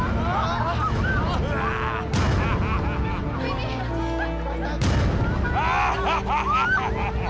noda dulu belajar paypalnya